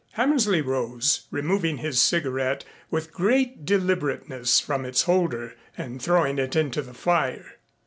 Hammersley rose, removing his cigarette with great deliberateness from its holder and throwing it into the fire.